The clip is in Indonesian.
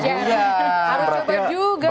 harus coba juga loh